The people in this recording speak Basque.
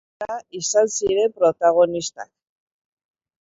Hotza eta elurra izan ziren protagonistak.